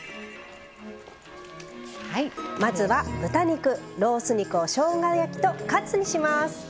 まずは豚肉ロース肉をしょうが焼きとカツにします。